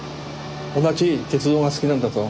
同じ鉄道が好きなんだと。